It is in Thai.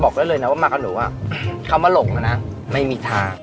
บอกได้เลยนะว่ามากับหนูอ่ะคำว่าหลงอ่ะนะไม่มีทาง